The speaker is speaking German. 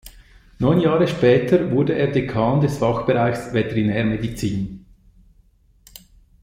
Neun Jahre später wurde er Dekan des Fachbereichs Veterinärmedizin.